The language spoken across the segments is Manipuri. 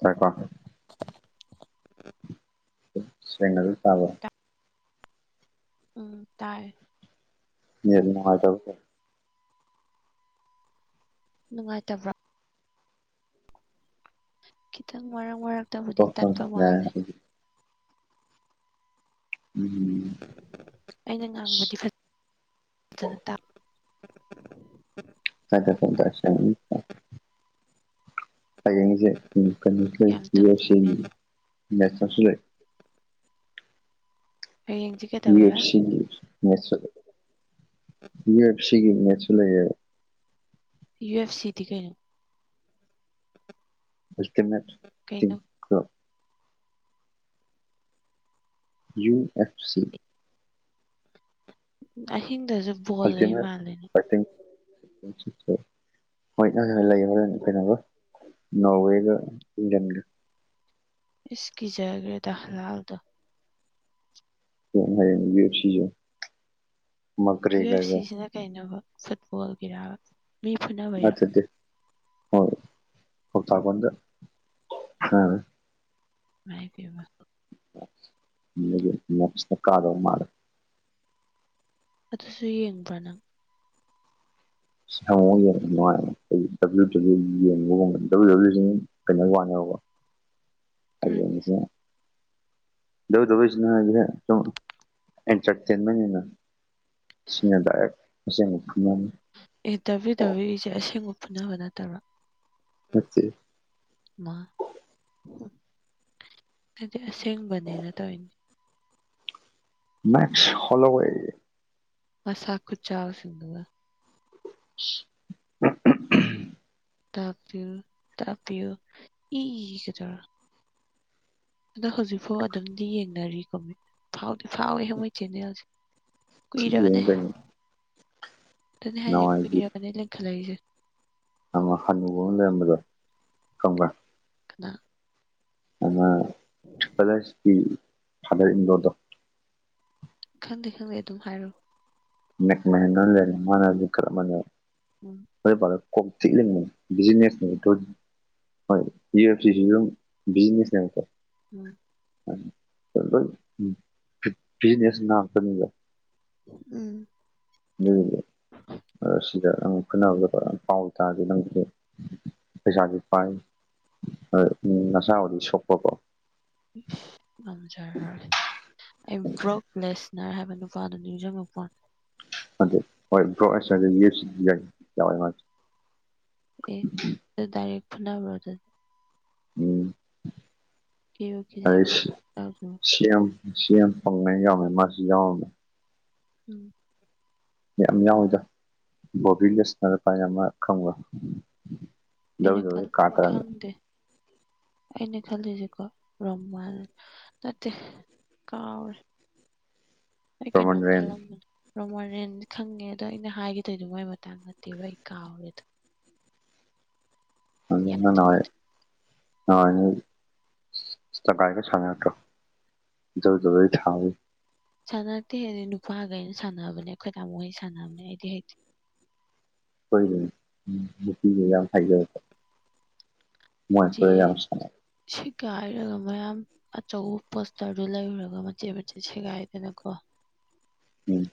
ꯉꯥꯏꯈꯣ [inaudible] ꯁꯦꯡꯅ ꯗꯨꯝ ꯇꯥꯕꯔꯣ ꯇꯥ ꯎꯝ ꯇꯥꯏ ꯅꯦꯠ ꯅꯨꯡꯉꯥꯏꯇꯕꯔꯥ ꯀꯩꯅꯣ ꯅꯨꯡꯉꯥꯏꯇꯕ꯭ꯔꯣ ꯈꯤꯇꯪ ꯃꯔꯛ ꯃꯔꯛꯇꯕꯨꯗꯤ ꯇꯣꯛꯄ ꯇꯠꯄ ꯌꯥꯔꯦ ꯃꯥꯜꯂꯦ ꯍꯥꯏꯗꯤ ꯎꯝ ꯑꯩꯅ ꯉꯥꯡꯕꯗꯤ ꯐꯖ ꯐꯖꯅ ꯇꯥ [unintelligible] ꯍꯌꯦꯡꯁꯦ ꯀꯩꯅꯣꯁꯨ ꯌꯥꯝ ꯂꯩ [unintelligible] ꯇꯨꯝꯅꯤꯡꯉꯦ ꯁꯦꯝꯒꯤ [unintelligible] ꯂꯩ ꯍꯌꯦꯡꯖꯤ ꯌꯨ ꯑꯦꯐ ꯁꯤꯒꯤ ꯃꯦꯆꯁꯨ ꯌꯨ ꯑꯦꯐ ꯁꯤꯒꯤ ꯃꯦꯆꯁꯨ ꯂꯩꯌꯦꯕ ꯌꯨ ꯑꯦꯐ ꯁꯤꯗꯤ ꯀꯩꯅꯣ ꯀꯩꯅꯣ [unintelligible] ꯌꯨ ꯑꯦꯐ ꯁꯤ ꯑꯍꯤꯡꯗꯁꯨ ꯕꯣꯜ ꯂꯩ ꯑꯜꯇꯤꯃꯦꯠ ꯃꯥꯜꯂꯦꯅꯦ ꯐꯥꯏꯇꯤꯡ ꯍꯣꯏ ꯑꯣ [unintelligible] ꯍꯣꯔꯦꯟ ꯀꯩꯅꯣꯒꯥ ꯅꯣꯔꯋꯦꯒ ꯏꯪꯂꯦꯟꯒ ꯏꯁ ꯀꯤꯖꯒꯔꯦꯗ ꯍꯂꯥꯜꯗꯣ [unintelligible] ꯌꯨ ꯑꯦꯐ ꯁꯤꯗꯣ ꯌꯨ ꯑꯦꯐ ꯁꯤꯁꯤꯅ ꯀꯩꯅꯣꯕ ꯐꯨꯠꯕꯣꯜꯒꯤꯔꯥꯕ ꯅꯠꯇ꯭ꯔꯗꯤ [unintelligible] ꯏꯃꯥꯏ ꯄꯦꯝꯃ [unintelligible] ꯀꯥꯗꯧ ꯃꯥꯜꯂꯦ ꯑꯗꯨꯁꯨ ꯌꯦꯡꯕ꯭ꯔꯥ ꯅꯪ [unintelligible] ꯀꯩꯅꯣ [unintelligible] ꯗꯕ꯭ꯂꯤꯎ ꯗꯕ꯭ꯂꯤꯎ ꯁꯤꯅ [unintelligible] ꯁꯨꯝ ꯑꯦꯟꯇꯔꯇꯦꯟꯃꯦꯟ ꯑꯣꯏꯅ ꯁꯤꯅꯥ ꯗꯥꯏꯔꯦꯛ ꯑꯁꯦꯡꯕ ꯐꯨꯅꯕꯅꯦ ꯑꯦ ꯗꯕ꯭ꯂꯤꯎ ꯗꯕ꯭ꯂꯤꯎ ꯏꯁꯦ ꯑꯁꯦꯡꯕ ꯐꯨꯅꯕ ꯅꯠꯇꯕ꯭ꯔꯣ ꯅꯠꯇꯦ ꯏꯃꯥ ꯑꯩꯗꯤ ꯑꯁꯦꯡꯕꯅꯦꯅ ꯇꯧꯔꯤꯅꯦ ꯃꯦꯛꯁ ꯍꯣꯂꯣꯍꯦ ꯃꯁꯥ ꯈꯨꯆꯥꯎ ꯁꯤꯡꯗꯨꯒ [inaudible] ꯇꯄꯤꯜ ꯇꯄꯤꯜ ꯏ [unintelligible] ꯑꯗꯣ ꯍꯧꯖꯤꯛꯐꯥꯎ ꯑꯗꯨꯝꯗꯤ ꯌꯦꯡꯅꯔꯤꯀꯣ ꯐꯥꯎꯗꯤ ꯐꯥꯎꯋꯦ ꯃꯣꯏ ꯆꯦꯅꯦꯜꯁꯦ ꯊꯤ ꯀꯨꯏꯔꯕꯅꯦ ꯌꯦꯡꯉꯨ ꯀꯩꯅꯣ ꯑꯗꯨꯅꯤ ꯍꯥꯏꯁꯦ ꯅꯍꯥꯟꯋꯥꯏꯒꯤ ꯀꯨꯏꯔꯕꯅꯦ ꯂꯩꯈꯠꯂꯛꯏꯁꯦ ꯑꯃ ꯍꯥꯅꯨꯕ ꯑꯃ ꯂꯩꯔꯝꯕꯗꯣ ꯈꯪꯕ꯭ꯔ ꯀꯅꯥ ꯑꯃ [unintelligible] ꯀꯤ ꯐꯗꯔ ꯏꯟ ꯂꯣꯗꯣ ꯈꯪꯗꯦ ꯈꯪꯗꯦ ꯑꯗꯨꯝ ꯍꯥꯏꯔꯣ [unintelligible] ꯎꯝ [unintelligible] ꯀꯣꯛ ꯆꯤꯛꯑꯅꯤ ꯕꯤꯖꯤꯅꯦꯁꯅꯦ [unintelligible] ꯍꯣꯏ ꯌꯨ ꯑꯦꯐ [unintelligible] ꯕꯤꯖꯤꯅꯦꯁꯅꯦꯕꯀꯣ ꯎꯝ ꯑꯥ ꯑꯗꯨꯗ ꯕꯤꯖꯤꯅꯦꯁ [unintelligible] ꯎꯝ [unintelligible] ꯄꯩꯁꯥꯁꯨ ꯄꯥꯏ ꯑ ꯅꯁꯥꯕꯨꯗꯤ ꯁꯣꯛꯄꯀꯣ ꯎꯝ ꯉꯝꯖꯔꯔꯣꯏ ꯑꯩ ꯕ꯭ꯔꯣꯛ ꯂꯦꯁꯅꯔ ꯍꯥꯏꯕ ꯅꯨꯄꯥꯗꯨ ꯅꯤꯡꯖꯤꯡꯉꯛꯄꯥꯅꯦ ꯑꯗꯨ ꯍꯣꯏ ꯕ꯭ꯔꯣꯁ [unintelligible] ꯑꯦ ꯑꯗꯨ ꯗꯥꯏꯔꯦꯛ ꯐꯨꯅꯕ꯭ꯔꯣ ꯑꯗꯨ ꯎꯝ ꯀꯦꯕꯨ ꯀꯤꯖꯩ ꯑꯩꯁ ꯁꯤ ꯑꯦꯝ [unintelligible] ꯎꯝ ꯌꯥꯝ ꯌꯥꯎꯋꯤꯗ ꯕꯣꯕꯤ ꯂꯤꯁꯅꯔ ꯀꯥꯏꯅ ꯃ ꯈꯪꯕ꯭ꯔꯣ ꯑꯩꯅ ꯈꯜ [unintelligible] ꯈꯪꯗꯦ ꯑꯩꯅ ꯈꯜꯂꯤꯁꯤꯀꯣ [unintelligible] ꯅꯠꯇꯦ ꯀꯥꯎꯔꯦ ꯑꯩ ꯔꯣꯃꯟ ꯀꯩꯅꯣꯝ ꯔꯦꯟ ꯈꯜꯂꯝꯕꯅꯦ ꯔꯣꯃꯥꯔꯤꯑꯦꯟ ꯈꯪꯉꯦ ꯑꯗꯣ ꯑꯩꯅ ꯍꯥꯏꯒꯦ ꯗꯧꯏꯗꯨ ꯃꯥꯒꯤ ꯃꯇꯥꯡ ꯅꯠꯇꯦꯕ ꯑꯩ ꯀꯥꯎꯔꯦ ꯑꯗꯨ ꯑꯗꯣ ꯅꯪ ꯅꯍꯥꯋꯥꯏ [unintelligible] ꯥꯆꯒꯥꯏꯒ ꯁꯥꯅꯥꯔꯛꯇ꯭ꯔꯣ [unintelligible] ꯊꯥꯕꯩ ꯁꯥꯟꯅꯔꯛꯇꯦꯍꯦ ꯑꯗꯨꯗꯤ ꯅꯨꯄꯥꯈꯩꯅ ꯁꯥꯟꯅꯕꯅꯦ ꯑꯩꯈꯣꯏ ꯇꯥꯃꯣ ꯍꯣꯏ ꯁꯥꯟꯅꯕꯅꯦ ꯑꯩꯗꯤ ꯍꯩꯇꯦ ꯍꯣꯏꯅꯦ ꯎꯝ ꯅꯨꯄꯤꯒ ꯌꯥꯝ ꯍꯩꯅ ꯃꯣꯏꯒ ꯌꯥꯝ ꯁꯥꯟꯅꯩ ꯁꯤꯛꯀꯥꯏꯔꯒ ꯃꯌꯥꯝ ꯑꯆꯧꯕ ꯄꯣꯁꯇꯔꯗꯨ ꯂꯩꯔꯨꯔꯒ ꯃꯆꯦꯠ ꯃꯆꯦꯠ ꯁꯦꯒꯥꯏꯗꯅꯀꯣ ꯎꯝ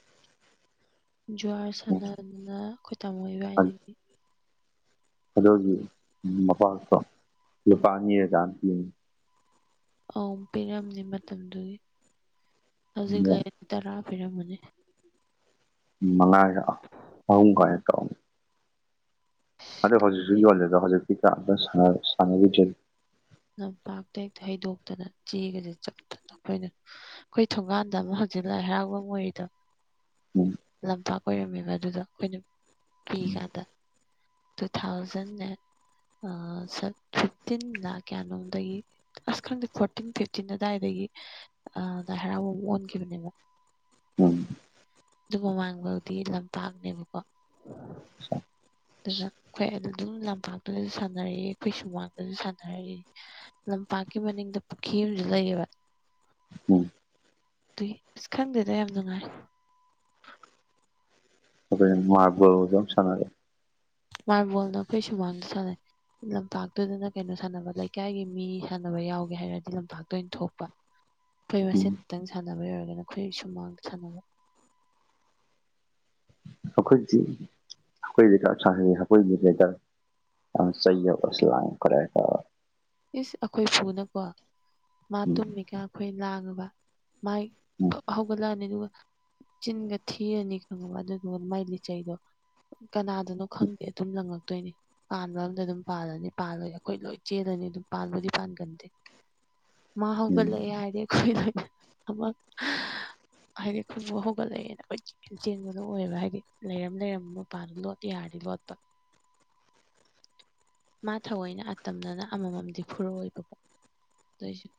ꯖ꯭ꯋꯥꯔ ꯁꯥꯟꯅꯗꯅ ꯑꯩꯈꯣꯏ ꯇꯃꯣ ꯎꯝ ꯏꯕꯥꯟꯅꯤꯗꯤ ꯑꯗꯨꯒꯤ ꯃꯄꯥꯛꯇꯣ ꯂꯨꯄꯥ ꯑꯅꯤꯔ ꯀꯌꯥꯅꯣ ꯄꯤꯕꯅꯤ ꯑꯥꯎ ꯄꯤꯔꯝꯅꯤ ꯃꯇꯝꯗꯨꯒꯤ ꯍꯧꯖꯤꯛ ꯄꯤꯕꯅꯦ ꯂꯩ ꯇꯔꯥ ꯄꯤꯔꯝꯃꯅꯤ ꯃꯉꯥꯒꯤ ꯑꯍꯨꯝ ꯀꯥꯏꯅ ꯇꯧ ꯑꯗꯣ ꯍꯧꯖꯤꯛꯁꯨ ꯌꯣꯜꯂꯤꯗꯣ ꯍꯧꯖꯤꯛꯇꯤ ꯀꯅꯥꯝꯇ ꯁꯥꯟ ꯁꯥꯟꯅꯕꯤꯗ꯭ꯔꯦ ꯂꯝꯄꯥꯛꯇꯩ ꯊꯩꯗꯣꯛꯇ ꯆꯦꯒꯁꯦ ꯆꯞꯗꯠ [unintelligible] ꯑꯩꯅ ꯑꯩꯈꯣꯏ ꯊꯣꯡꯒꯥꯟꯗ ꯑꯃ ꯍꯧꯖꯤꯛ ꯂꯥꯏ ꯍꯔꯥꯎꯕꯝ ꯑꯣꯏꯔꯤꯗꯣ ꯎꯝ ꯂꯝꯄꯥꯛ ꯑꯣꯏꯔꯝꯃꯦꯕ ꯑꯗꯨꯗꯣ ꯑꯩꯈꯣꯏꯅ ꯄꯤꯛꯏꯀꯥꯟꯗ ꯇꯨ ꯊꯥꯎꯖꯟꯅꯦ ꯑꯥ ꯁꯥ ꯐꯤꯐꯇꯤꯟꯂ ꯀꯌꯥꯅꯣꯝꯗꯒꯤ ꯑꯁ ꯈꯪꯗꯦ ꯐꯣꯔꯇꯤꯟ ꯐꯤꯞꯇꯤꯟ ꯑꯗꯥꯏꯗꯒꯤ ꯑꯥ ꯂꯥꯏ ꯍꯔꯥꯎꯕꯝ ꯑꯣꯟꯈꯤꯕꯅꯦꯕ ꯎꯝ ꯑꯗꯨ ꯃꯃꯥꯡꯕꯥꯎꯗꯤ ꯂꯝꯄꯥꯛꯅꯦꯕꯀꯣ ꯑꯗꯨꯅ ꯑꯩꯈꯣꯏ ꯑꯗꯨ ꯗꯨꯝ ꯂꯝꯄꯥꯛꯇꯨꯗꯁꯨ ꯁꯥꯟꯅꯔꯛꯏ ꯑꯩꯈꯣꯏ ꯁꯨꯃꯥꯡꯗꯁꯨ ꯁꯥꯟꯅꯔꯛꯏ ꯂꯝꯄꯥꯛꯀꯤ ꯃꯅꯤꯡꯗ ꯄꯨꯈ꯭ꯔꯤ ꯑꯃꯖꯨ ꯂꯩꯌꯦꯕ ꯎꯝ ꯗꯨꯏ ꯑꯁ ꯈꯪꯗꯦꯗ ꯌꯥꯝ ꯅꯨꯡꯉꯥꯏ ꯑꯈꯣꯏ ꯃꯥꯔꯕꯜꯖꯨ ꯌꯥꯝ ꯁꯥꯟꯅꯔꯛꯑꯦ ꯃꯥꯥꯔꯕꯣꯜꯗꯣ ꯑꯈꯣꯏ ꯁꯨꯃꯥꯡꯗ ꯁꯥꯟꯅꯩ ꯂꯝꯄꯥꯛꯇꯨꯗꯅ ꯀꯩꯅꯣ ꯁꯥꯟꯅꯕ ꯂꯩꯀꯥꯏꯒꯤ ꯃꯤ ꯁꯥꯟꯅꯕ ꯌꯥꯎꯒꯦ ꯍꯥꯏꯔꯗꯤ ꯂꯝꯄꯥꯛꯇ ꯑꯣꯏꯅ ꯊꯣꯛꯄ ꯑꯈꯣꯏ ꯎꯝ ꯃꯁꯦꯟ ꯇꯪ ꯁꯥꯟꯅꯕ ꯑꯣꯏꯔꯒꯅ ꯑꯈꯣꯏ ꯁꯨꯝꯃꯥꯡꯗ ꯁꯥꯟꯅꯕ ꯑꯈꯣꯏꯗꯤ [unintelligible] ꯏꯁ ꯑꯈꯣꯏ ꯐꯨꯅꯀꯣ ꯃꯥ ꯎꯝ ꯇꯨꯝꯃꯤꯀꯥꯟ ꯑꯈꯣꯏ ꯂꯥꯡꯉꯕ ꯃꯥꯏ ꯎꯝ ꯐꯨꯛ ꯍꯧꯒꯠꯂꯛꯑꯥꯅꯤ ꯑꯗꯨꯒ ꯆꯤꯟꯒ ꯊꯤꯔꯅꯤ ꯈꯪꯉꯕ ꯑꯗꯨꯗꯨꯒ ꯃꯥꯏ ꯂꯤꯆꯩꯗꯣ ꯀꯅꯥꯗꯅꯣ ꯈꯪꯗꯦ ꯑꯗꯨꯝ ꯂꯪꯉꯛꯇꯣꯏꯅꯤ ꯄꯥꯟꯕ ꯑꯝꯗ ꯑꯗꯨꯝ ꯄꯥꯜꯂꯅꯤ ꯄꯥꯜꯂꯣꯏ ꯑꯈꯣꯏ ꯂꯣꯏ ꯆꯦꯜꯂꯅꯤ ꯑꯗꯨꯝ ꯄꯥꯟꯕꯨꯗꯤ ꯄꯥꯟꯒꯟꯗꯦ ꯃꯥ ꯎꯝ ꯍꯧꯒꯠꯂꯛꯑꯦ ꯍꯥꯏꯔꯗꯤ ꯑꯈꯣꯏ ꯂꯣꯏꯅ ꯑꯃ ꯍꯥꯏꯗꯤ ꯈꯣꯏꯕꯨ ꯍꯧꯒꯠꯂꯛꯑꯦꯅ ꯀꯣꯏꯆꯦꯟ ꯆꯦꯟꯕꯗꯣ ꯑꯣꯏꯌꯦꯕ ꯍꯥꯏꯗꯤ ꯂꯩꯔꯝ ꯂꯩꯔꯝꯕ ꯃꯄꯗꯣ ꯂꯣꯠꯄ ꯌꯥꯔꯗꯤ ꯂꯣꯠꯄ [inaudible] ꯃꯥ ꯊꯑꯣꯏꯅ ꯑꯇꯝꯅꯅ ꯑꯃꯃꯝꯗꯤ ꯐꯨꯔꯛꯑꯣꯏꯕꯀꯣ ꯑꯗꯣꯏꯖꯨ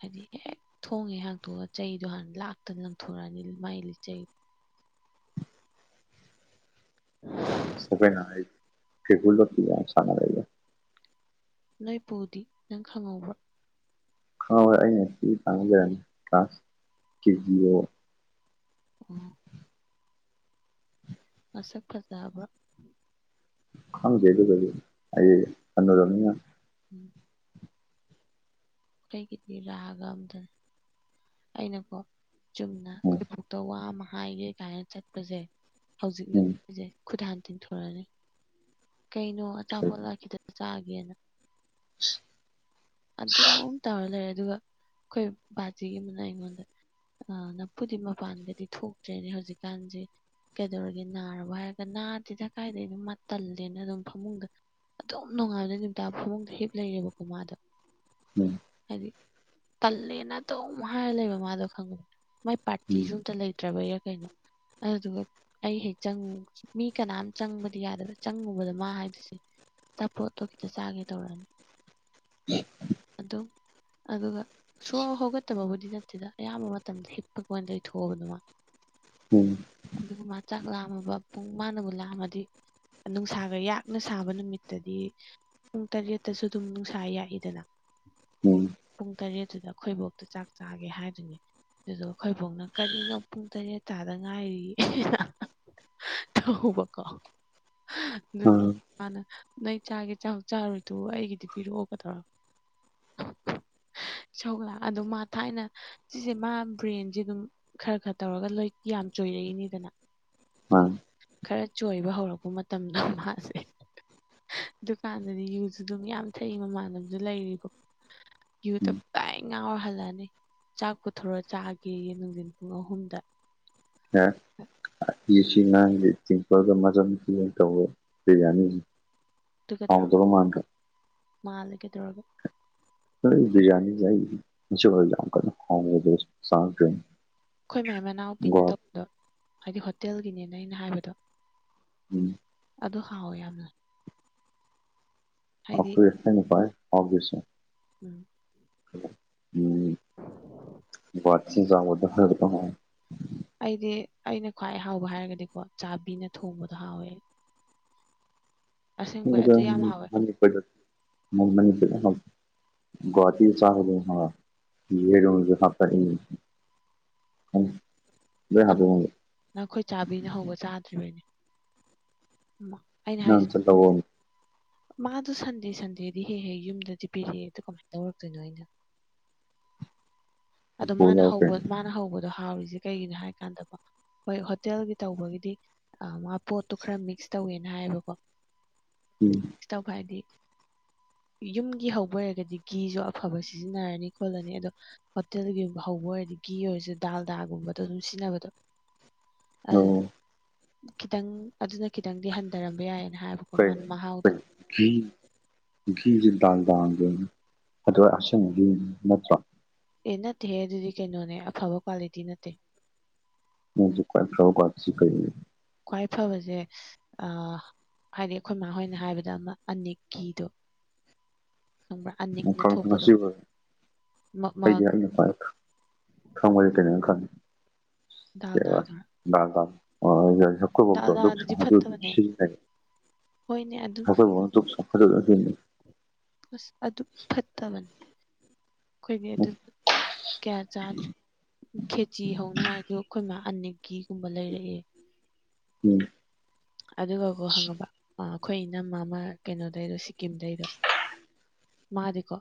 ꯍꯥꯏꯗꯤ ꯍꯦꯛ ꯊꯣꯡ ꯍꯦꯛ ꯍꯥꯡꯇꯣꯛꯑꯥ ꯆꯩꯗꯣ ꯍꯥꯟꯅ ꯂꯥꯛꯇꯅ ꯂꯪꯊꯣꯔꯛꯑꯥꯅꯤ ꯃꯥꯏ ꯂꯤꯆꯩ [inaudible] ꯑꯁ ꯑꯈꯣꯏ ꯅꯍꯩ ꯀꯦꯀꯨ ꯂꯣꯠꯄꯤꯒ ꯌꯥꯝ ꯁꯥꯅꯔꯛꯏꯗ ꯅꯣꯏ ꯄꯨꯗꯤ ꯅꯪ ꯈꯪꯍꯧꯕ꯭ꯔꯣ ꯈꯪꯍꯧꯋꯦ ꯑꯩꯅ ꯄꯤꯛꯏꯀꯥꯟꯗ ꯂꯩꯔꯝꯃꯤ ꯀ꯭ꯂꯥꯁ ꯀꯦ ꯖꯤ ꯑꯣ ꯑꯣ ꯃꯁꯛ ꯐꯖꯕ꯭ꯔꯣ ꯈꯪꯗꯦ ꯑꯗꯨꯒꯥꯗꯤ ꯑꯩ ꯍꯅꯨꯔꯕꯅꯤꯅ ꯎꯝ ꯀꯩꯒꯤꯗꯤ ꯔꯥꯒ ꯑꯝꯗꯅꯤ ꯑꯩꯅꯀꯣ ꯆꯨꯝꯅ ꯎꯝ ꯈꯣꯏꯕꯨꯇ ꯋꯥ ꯑꯃ ꯍꯥꯏꯒꯦ ꯀꯥꯏꯅ ꯆꯠꯄꯖꯦ ꯍꯧꯖꯤꯛꯅꯨꯞ ꯄꯤꯖꯩ ꯈꯨꯠ ꯍꯥꯟ ꯇꯤꯟꯊꯣꯔꯅꯤ ꯀꯩꯅꯣ ꯑꯆꯥꯄꯣꯠꯂꯥ ꯈꯤꯇ ꯆꯥꯒꯦꯅ ꯑꯗꯨꯝ ꯇꯧꯔ ꯂꯩꯔꯦ ꯑꯗꯨꯒ ꯈꯣꯏ ꯕꯥꯥꯖꯤꯒꯤ ꯃꯅꯥ ꯑꯩꯉꯣꯟꯗ ꯑ ꯅꯐꯨꯗꯤ ꯃꯄꯥꯟꯒꯗꯤ ꯊꯣꯛꯇ꯭ꯔꯦꯅꯦ ꯍꯧꯖꯤꯛꯀꯥꯟꯖꯦ ꯀꯩꯗꯧꯔꯒꯦ ꯅꯥꯔꯕ ꯍꯥꯏꯔꯒ ꯅꯥꯗꯦꯗ ꯀꯥꯏꯗꯩꯅꯣ ꯃꯥ ꯇꯜꯂꯦꯅ ꯑꯗꯨꯝ ꯐꯃꯨꯡꯗ ꯑꯗꯨꯝ ꯅꯨꯡꯉꯥꯟꯕꯗꯩ ꯅꯨꯃꯤꯇꯥ ꯐꯃꯨꯡꯗ ꯍꯤꯞ ꯂꯩꯔꯦꯕꯀꯣ ꯃꯥꯥꯗꯣ ꯍꯥꯏꯗꯤ ꯇꯜꯂꯦꯅ ꯑꯗꯨꯝ ꯍꯥꯏꯔ ꯂꯩꯕ ꯃꯥꯗꯣ ꯈꯪꯕ ꯃꯥꯏ ꯄꯥꯔꯇꯤꯖꯨ ꯑꯝꯇ ꯂꯩꯇ꯭ꯔꯕꯩꯔ ꯀꯩꯅꯣ ꯑꯩ ꯍꯧꯖꯤꯕꯛ ꯑꯩ ꯍꯦꯛ ꯆꯪ ꯃꯤ ꯀꯅꯥꯝ ꯆꯪꯕꯗꯤ ꯌꯥꯗꯕ ꯆꯪꯉꯨꯕꯗ ꯃꯥ ꯍꯥꯏꯗꯨꯁꯦ ꯆꯄꯣꯠꯇꯣ ꯈꯤꯇ ꯆꯥꯒꯦ ꯇꯧꯔꯑꯅꯤ ꯑꯗꯨꯝ ꯑꯗꯨꯒ ꯁꯨꯡꯍꯧ ꯍꯧꯒꯠꯇꯕꯕꯨꯗꯤ ꯅꯠꯇꯦꯗ ꯑꯌꯥꯝꯕ ꯃꯇꯝꯗ ꯍꯤꯞꯄꯒ ꯑꯣꯏꯅ ꯂꯩꯊꯣꯛꯑꯕꯗꯨ ꯃꯥ ꯎꯝ ꯑꯗꯨꯒ ꯃꯥ ꯆꯥꯛ ꯂꯥꯝꯃꯕ ꯄꯨꯡ ꯃꯥꯅꯕꯨ ꯂꯥꯝꯃꯗꯤ ꯅꯨꯡꯁꯥꯒ ꯌꯥꯛꯅ ꯁꯥꯕ ꯅꯨꯃꯤꯠꯇꯗꯤ ꯄꯨꯡ ꯇꯔꯦꯠꯇꯁꯨ ꯑꯗꯨꯝ ꯅꯨꯡꯁꯥ ꯌꯥꯛꯏ ꯗꯅ ꯄꯨꯡ ꯇꯔꯦꯠꯇꯨꯗ ꯑꯈꯣꯏꯕꯣꯛꯇ ꯆꯥꯛ ꯆꯥꯒꯦ ꯍꯥꯏꯗꯣꯏꯅꯦ ꯑꯗꯨꯗꯨꯒ ꯑꯈꯣꯏꯕꯣꯛꯅ ꯀꯔꯤꯅꯣ ꯄꯨꯡ ꯇꯔꯦꯠ ꯇꯥꯗ ꯉꯥꯏꯔꯤ ꯊꯧꯕ ꯀꯣ ꯑꯗꯨꯗꯨ ꯃꯥꯅ ꯅꯣꯏ ꯆꯥꯒꯦ ꯆꯥꯎ ꯆꯥꯔꯣꯏ ꯇꯣꯛꯎ ꯑꯩꯒꯤꯗꯤ ꯄꯤꯔꯛꯑꯣ ꯀꯗꯧꯔꯥ ꯏꯁꯧꯒ ꯂꯥꯡꯉ ꯑꯗꯨ ꯃꯥ ꯊꯥꯏꯅ ꯁꯤꯖꯦ ꯃꯥ ꯕ꯭ꯔꯦꯟꯖꯦ ꯑꯗꯨꯝ ꯈꯔ ꯈꯔ ꯇꯧꯔꯒ ꯂꯣꯏ ꯌꯥꯝ ꯆꯣꯏꯔꯛꯏꯅꯤꯗꯅ ꯃꯥꯟ ꯈꯔ ꯆꯣꯏꯕ ꯍꯧꯔꯛꯄ ꯃꯇꯝꯗ ꯃꯥꯁꯦ ꯗꯨꯀꯥꯟꯗꯗꯤ ꯌꯨꯖꯨ ꯑꯗꯨꯝ ꯌꯥꯝ ꯊꯛꯏ ꯃꯃꯥꯟꯕꯖꯨ ꯂꯩꯔꯤꯀꯣ ꯌꯨ ꯇꯞꯇꯥꯏ ꯉꯥꯎꯔ ꯍꯜꯂꯥꯅꯤ ꯆꯥꯛ ꯄꯨꯊꯣꯔꯣ ꯆꯥꯒꯦꯌꯦ ꯅꯨꯡꯗꯤꯟ ꯄꯨꯡ ꯑꯍꯨꯝꯗ ꯅꯥ ꯑꯦ ꯁꯤ ꯉꯥꯡꯖꯦ ꯗꯤꯝꯄꯜꯒ [unintelligible] ꯌꯥꯅꯤ ꯇꯨ ꯀꯩꯗꯧꯔꯕ ꯃꯥꯜꯂꯦ ꯀꯩꯗꯧꯔꯕ ꯅꯣꯏ ꯕꯤꯔꯌꯥꯅꯤꯖꯦ ꯑꯩꯗꯤ ꯅꯤꯆꯨꯕ ꯌꯥꯝ ꯀꯟꯅ ꯍꯥꯎꯕ ꯑꯣꯏꯗꯦ [unintelligible] ꯈꯣꯏ ꯃꯥꯏ ꯃꯅꯥꯎꯄꯤꯅ ꯇꯧꯕꯗꯣ ꯍꯥꯏꯗꯤ ꯍꯣꯇꯦꯜꯒꯤꯅꯦꯅ ꯑꯩꯅ ꯍꯥꯏꯕꯗꯣ ꯑꯗꯨ ꯍꯥꯎꯋꯦ ꯌꯥꯝꯅ ꯍꯥꯏꯗꯤ ꯑꯈꯣꯏ [unintelligible] ꯍꯥꯎꯗꯣꯏꯁꯦ ꯎꯝ ꯎꯝ [unintelligible] ꯑꯩꯗꯤ ꯑꯩꯅ ꯈ꯭ꯋꯥꯏ ꯍꯥꯎꯕ ꯍꯥꯏꯔꯒꯗꯤꯀꯣ ꯆꯥꯕꯤꯅ ꯊꯣꯡꯕꯗꯣ ꯍꯥꯎꯋꯦ ꯑꯁꯦꯡꯕꯩ ꯑꯗꯨ ꯌꯥꯝ [unintelligible] ꯍꯥꯎꯋꯦ ꯍꯥꯅꯤ [unintelligible] ꯒꯨꯋꯥꯇꯤ ꯆꯥꯕꯗꯣ ꯍꯥꯎꯌꯦ ꯌꯦꯔꯨꯝꯖꯨ ꯍꯥꯞꯄꯛꯏ ꯈꯪ ꯅꯛ ꯅꯪ ꯑꯩꯈꯣꯏ ꯆꯥꯕꯤꯅ ꯍꯧꯕ ꯆꯥꯗ꯭ꯔꯤꯕꯩꯅꯤ ꯃꯥ ꯅꯪ ꯆꯥꯠꯂꯥꯑꯣ ꯃꯥꯗꯣ ꯁꯟꯗꯦ ꯁꯟꯗꯦꯗꯤ ꯍꯦꯛ ꯍꯦꯛ ꯌꯨꯝꯗꯗꯤ ꯄꯤꯔꯛꯑꯦ ꯑꯗꯨ ꯀꯃꯥꯏꯅ ꯂꯧꯔꯛꯇꯣꯏꯅꯣ ꯑꯩꯅ [inaudible] ꯑꯗꯣ ꯃꯥꯅ ꯍꯧꯕ ꯃꯥꯅ ꯍꯧꯕꯗꯣ ꯍꯥꯎꯔꯤꯁꯦ ꯀꯩꯒꯤꯅꯣ ꯍꯥꯏꯀꯥꯟꯗ ꯀꯣ ꯍꯣꯏ ꯍꯣꯇꯦꯜꯒꯤ ꯇꯧꯕꯒꯤꯗꯤ ꯑꯥ ꯃꯥ ꯄꯣꯠꯇꯨ ꯈꯔ ꯃꯤꯛꯁ ꯇꯧꯋꯦꯅ ꯍꯥꯏꯌꯦꯕꯀꯣ ꯎꯝ ꯃꯤꯛꯁ ꯇꯧꯕ ꯍꯥꯏꯗꯤ ꯌꯨꯝꯒꯤ ꯍꯧꯕ ꯑꯣꯏꯔꯒꯗꯤ ꯒꯤꯁꯨ ꯑꯐꯕ ꯁꯤꯖꯤꯟꯅꯔꯅꯤ ꯈꯣꯠꯂꯅꯤ ꯑꯗꯣ ꯍꯣꯇꯦꯜꯒꯤ ꯒꯨꯝꯕ ꯍꯧꯕ ꯑꯣꯏꯔꯗꯤ ꯒꯤ ꯑꯣꯏꯔꯁꯨ ꯗꯥꯜꯗꯥ ꯒꯨꯝꯕꯗꯣ ꯑꯗꯨꯝ ꯁꯤꯖꯤꯟꯅꯕꯗꯣ [inaudible] ꯑꯗꯨ ꯈꯤꯇꯪ ꯑꯗꯨꯅ ꯈꯤꯇꯪꯗꯤ ꯍꯟꯗꯔꯝꯕ ꯌꯥꯏꯌꯦꯅ ꯍꯥꯏꯌꯦꯕꯀꯣ ꯃꯥꯅ ꯃꯍꯥꯎꯗꯣ [inaudible] ꯒꯤ ꯒꯤꯁꯤ ꯗꯥꯜꯗꯥꯒꯤ ꯑꯣꯏꯔꯝꯅꯤ ꯑꯗꯨ ꯑꯁꯦꯡꯕ ꯒꯤ ꯅꯠꯇ꯭ꯔꯣ ꯑꯦ ꯅꯠꯇꯦꯍꯦ ꯑꯗꯨꯗꯤ ꯀꯩꯅꯣꯅꯦ ꯑꯐꯕ ꯀ꯭ꯋꯥꯂꯤꯇꯤ ꯅꯠꯇꯦ ꯃꯣꯏꯁꯨ ꯀꯟꯇꯔꯣꯜ ꯀꯩ ꯈ꯭ꯋꯥꯏ ꯐꯕꯁꯦ ꯑꯥ ꯍꯥꯏꯗꯤ ꯑꯈꯣꯏ ꯃꯥꯥ ꯍꯣꯏꯅ ꯍꯥꯏꯕꯗ ꯑꯃ ꯑꯅꯤꯛ ꯀꯤꯗꯣ [unintelligible] ꯃꯐꯝ ꯊꯣꯛꯄꯗꯣ ꯉꯁꯤꯕꯨ ꯃ- ꯃ- ꯑꯩꯒꯤ ꯑꯩ ꯄꯥꯏꯕꯗꯣ ꯈꯪꯕ꯭ꯔꯥ ꯑꯩ ꯀꯩꯅꯣꯝ ꯈꯪꯉꯦ ꯀꯩꯕ ꯗꯥꯜꯗꯥꯗꯣ ꯗꯥꯜ ꯗꯥꯜ ꯑꯥ ꯈꯣꯏ ꯕꯣꯛꯇꯣ ꯂꯣꯛꯁꯤ ꯗꯥꯜꯗꯥꯗꯨꯗꯤ ꯑꯗꯨ ꯐꯠꯇꯕꯅꯦ ꯁꯤꯖꯤꯟꯅꯩ ꯍꯣꯏꯅꯦ ꯑꯗꯨ ꯑꯈꯣꯏ ꯕꯣꯛꯅ ꯗꯨꯛ ꯑꯁ ꯑꯗꯨ ꯐꯠꯇꯕꯅꯤ ꯑꯈꯣꯏꯗꯤ ꯑꯗꯨ ꯀꯌꯥ ꯆꯥꯗ꯭ꯔꯦ ꯈꯦꯆꯤ ꯍꯧꯅꯤ ꯍꯥꯏꯔꯁꯨ ꯈꯣꯏ ꯃꯥ ꯑꯅꯤꯛꯀꯤ ꯀꯨꯝꯕ ꯂꯩꯔꯛꯑꯦ ꯎꯝ ꯑꯗꯨꯒꯀꯣ ꯈꯪꯉꯕ ꯑꯈꯣꯏ ꯏꯅꯝꯃ ꯑꯃ ꯀꯩꯅꯣꯗꯩꯗꯣ ꯁꯤꯀꯤꯝꯗꯩꯗꯣ ꯃꯥꯗꯤꯀꯣ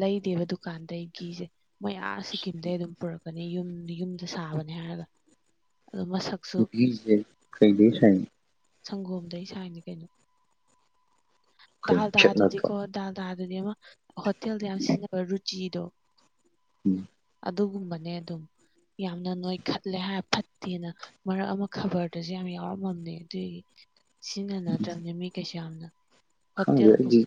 ꯂꯩꯗꯦꯕ ꯗꯨꯀꯥꯟꯗꯩ ꯒꯤꯁꯦ ꯃꯣꯏ ꯑꯥꯁ ꯁꯤꯀꯤꯝꯗꯩ ꯑꯗꯨꯝ ꯄꯨꯔꯛꯀꯅꯤ ꯌꯨꯝ ꯌꯨꯝꯗ ꯁꯥꯕꯅꯦ ꯍꯥꯏꯔꯒ ꯑꯗꯣ ꯃꯁꯛ ꯒꯤꯁꯦ ꯀꯩꯗꯩ ꯁꯥꯏꯅꯣ ꯁꯪꯒꯣꯝꯗꯩ ꯁꯥꯏꯅꯤ ꯀꯩꯅꯣ ꯗꯥꯥꯜ ꯈꯦꯠ ꯗꯥꯜ ꯅꯠꯇ꯭ꯔꯣ ꯗꯨꯗꯤꯀꯣ ꯗꯥꯜ ꯗꯥꯗꯨꯗꯤ ꯑꯃ ꯍꯣꯇꯦꯜꯗ ꯌꯥꯝ ꯁꯤꯖꯤꯟꯅꯕ ꯔꯨꯆꯤꯗꯣ ꯎꯝ ꯑꯗꯨꯒꯨꯝꯕꯅꯦ ꯑꯗꯨꯝ ꯌꯥꯝꯅ ꯅꯣꯏꯈꯠꯂꯦ ꯍꯥꯏꯔ ꯐꯠꯇꯦꯅ ꯃꯔꯛ ꯑꯃꯥ ꯈꯥꯕꯔꯗꯁꯨ ꯌꯥꯝ ꯌꯥꯎꯔꯝꯃꯝꯅꯦ ꯑꯗꯨꯒꯤ ꯁꯤꯖꯤꯟꯅꯅꯗ꯭ꯔꯕꯅꯤ ꯃꯤ ꯀꯩꯁꯨ ꯌꯥꯝꯅ ꯈꯪꯗꯦ ꯍꯣꯇꯦꯜꯒꯨꯝ ꯑꯩꯗꯤ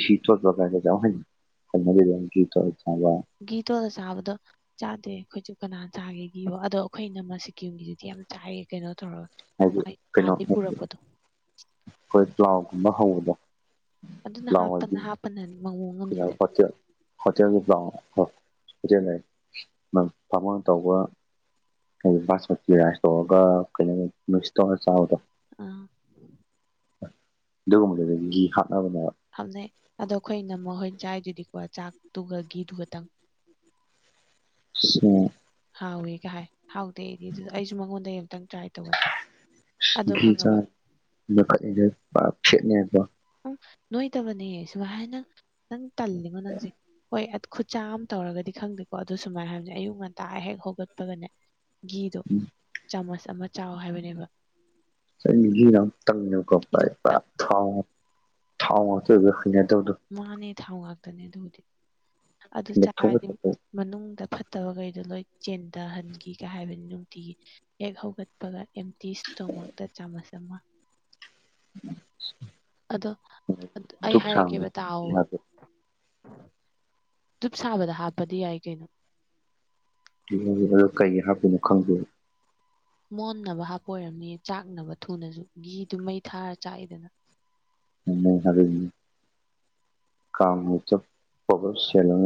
ꯒꯤ ꯇꯣꯠꯄ ꯀꯥꯏꯁꯦ ꯆꯥꯕ ꯍꯩꯅꯗꯦꯗ ꯒꯤ ꯇꯣꯠꯂ ꯆꯥꯕ ꯒꯤ ꯇꯣꯠꯂ ꯆꯥꯕꯗꯣ ꯆꯥꯗꯦ ꯑꯩꯈꯣꯏꯁꯨ ꯀꯅꯥꯅꯥ ꯆꯥꯒꯦ ꯒꯤꯕꯨ ꯑꯗꯣ ꯑꯈꯣꯏ ꯏꯅꯝꯃ ꯁꯤꯀꯤꯝꯒꯤꯗꯨꯗꯤ ꯌꯥꯝ ꯆꯥꯏꯌꯦ ꯀꯩꯅꯣ ꯇꯧꯔꯒ ꯍꯥꯏꯗꯤ ꯃꯥꯏ ꯑꯥꯗꯩ ꯄꯨꯔꯛꯄꯗꯣ ꯈꯣꯏ ꯄ꯭ꯂꯥꯎꯒꯨꯝꯕ ꯍꯧꯕꯗꯣ ꯑꯗꯨꯅ ꯄ꯭ꯂꯥꯎ ꯍꯥꯏꯗꯤ ꯍꯥꯞꯄꯅ ꯍꯥꯞꯄꯅꯅꯤ ꯃꯑꯣꯡ ꯑꯃꯥ [unintelligible] ꯍꯣꯇꯦꯜꯒꯤ ꯄꯂꯥ꯭ꯎ ꯍꯣꯇꯦꯜ ꯍꯥꯏꯌꯦ ꯕꯥꯃꯣꯟꯅꯥ ꯇꯧꯕ ꯍꯥꯏꯗꯤ ꯕꯥꯁꯃꯇꯤ ꯔꯥꯏ꯭ꯁ ꯇꯧꯔꯒ ꯀꯩꯅꯣ ꯃꯤꯛꯁ ꯇꯧꯔꯒ ꯆꯥꯕꯗꯣ ꯑꯥ ꯑꯗꯨꯒꯨꯝꯕꯗꯨꯗ ꯘꯤ ꯍꯥꯠꯅꯕ ꯐꯝꯅꯩ ꯑꯗꯣ ꯑꯈꯣꯏ ꯏꯅꯝꯃ ꯈꯣꯏ ꯆꯥꯏꯗꯨꯗꯤꯀꯣ ꯆꯥꯛꯇꯨꯒ ꯘꯤꯗꯨꯒꯇꯪ [unintelligible] ꯍꯥꯎꯋꯦꯒ ꯍꯥꯏ ꯍꯥꯎꯇꯦ ꯑꯩꯗꯤ ꯗꯨꯗꯣ ꯑꯩꯁꯨ ꯃꯉꯣꯟꯗꯩ ꯑꯝꯇꯪ ꯇꯔꯥꯏ ꯘꯤ ꯆꯥ ꯂꯧꯈꯠꯂꯤꯁꯦ ꯄꯨꯔꯥ ꯐꯦꯠꯅꯦ ꯍꯥꯏꯀꯣ ꯎꯝ ꯅꯣꯏꯗꯕꯅꯦ ꯁꯨꯝꯍꯥꯏꯅ ꯅꯪ ꯇꯜꯂꯤꯉꯣ ꯅꯪꯁꯦ ꯍꯣꯏ ꯈꯨꯠꯆꯥ ꯑꯃ ꯇꯧꯔꯒꯗꯤ ꯈꯪꯗꯦꯀꯣ ꯑꯗꯨ ꯁꯨꯃꯥꯏ ꯍꯥꯏꯕꯅꯦ ꯑꯌꯨꯛ ꯉꯟꯇꯥ ꯍꯦꯛ ꯍꯧꯒꯠꯄꯒꯅꯦ ꯘꯤꯗꯣ ꯆꯥꯃꯁ ꯑꯃ ꯆꯥꯎ ꯍꯥꯏꯕꯅꯦꯕ ꯑꯩ ꯒꯤꯅ ꯇꯪꯑꯦꯕꯀꯣ ꯘꯤꯗꯣ ꯐꯥꯔ꯭ꯁꯇ ꯈꯤꯇꯪ ꯊꯥꯎ ꯊꯥꯎ ꯉꯥꯛꯇ ꯑꯣꯏꯕꯩ ꯍꯩꯅꯗꯕꯗꯣ ꯃꯥꯅꯦ ꯊꯥꯎ ꯉꯥꯛꯇꯅꯦ ꯑꯗꯨꯕꯨꯗꯤ ꯑꯗꯨ ꯃꯦꯠꯊꯣꯛ ꯆꯥꯔꯗꯤ ꯃꯦꯠꯊꯣꯛꯄ ꯃꯅꯨꯡꯗ ꯐꯠꯇꯕꯒꯩꯗꯣ ꯂꯣꯏ ꯆꯦꯟꯊꯍꯟꯈꯤꯒ ꯍꯥꯏꯕꯅꯤ ꯅꯨꯡꯇꯤꯒꯤ ꯍꯦꯛ ꯍꯧꯒꯠ ꯄꯒ ꯑꯦꯝꯇꯤ ꯁꯇꯣꯃꯥꯛꯇ ꯆꯥꯃꯁ ꯑꯃ [inaudible] ꯑꯗꯣ ꯑꯩ ꯗꯨꯛ ꯍꯥꯏꯔꯛꯀꯦꯕ ꯇꯥꯎꯕ ꯁꯥꯡꯕꯗꯣ ꯗꯨꯞ ꯁꯥꯕꯗ ꯍꯥꯞꯄꯗꯤ ꯌꯥꯏ ꯀꯩꯅꯣ ꯘꯤꯗꯣ ꯀꯩꯒꯤ ꯍꯥꯞꯄꯤꯅꯣ ꯈꯪꯗꯦꯕ ꯃꯣꯟꯅꯕ ꯍꯥꯞꯄ ꯑꯣꯏꯔꯝꯅꯤꯌꯦ ꯆꯥꯛꯅꯕ ꯊꯨꯅꯁꯨ ꯘꯤꯗꯨ ꯃꯩ ꯊꯥꯔꯥ ꯆꯥꯛꯑꯦꯗꯅ [unintelligible] [unintelligible]